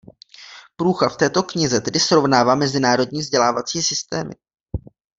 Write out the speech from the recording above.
Průcha v této knize tedy srovnává mezinárodní vzdělávací systémy.